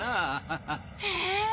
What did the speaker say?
へえ！